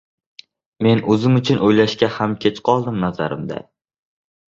Men o`zim uchun o`ylashga ham kech qoldim, nazarimda